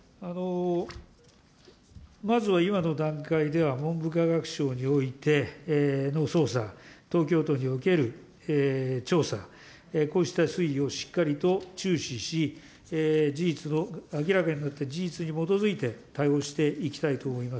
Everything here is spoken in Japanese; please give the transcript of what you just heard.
まずは今の段階では、文部科学省においての捜査、東京都における調査、こうした推移をしっかりと注視し、事実の、明らかになった事実に基づいて対応していきたいと思います。